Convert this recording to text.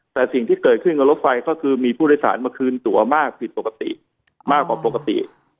แต่สิ่งที่เกิดขึ้นกับรถไฟก็คือมีผู้โดยสารมาคืนตัวมากผิดปกติมากกว่าปกติ